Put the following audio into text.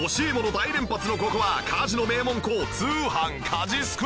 大連発のここは家事の名門校通販☆家事スクール！